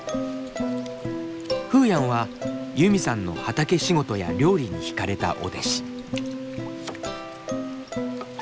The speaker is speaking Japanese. フーヤンはユミさんの畑仕事や料理に惹かれたお弟子。